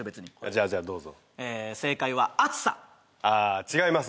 じゃあじゃあどうぞえ正解はあつさああ違います